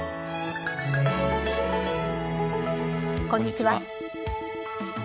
こんにちは。